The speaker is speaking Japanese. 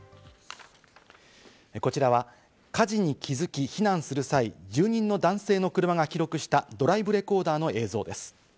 こちらは火事に気づき避難する際、住人の男性の車が記録したドライブレコーダーの映像です。